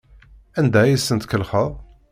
Anda ay asen-tkellxeḍ?